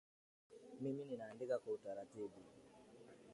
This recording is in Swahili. Mimi ninaandika kwa utaratibu